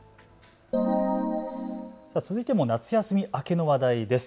続いても夏休み明けの話題です。